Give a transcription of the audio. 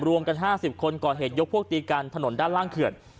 รวมกัน๕๐คนก่อเหตุยกพวกตีกันถนนด้านล่างเขื่อน